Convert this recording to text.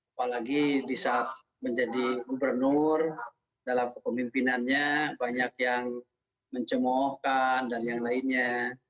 apalagi di saat menjadi gubernur dalam kepemimpinannya banyak yang mencemohkan dan yang lainnya